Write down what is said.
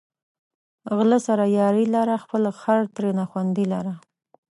غله سره یاري لره، خپل خر ترېنه خوندي لره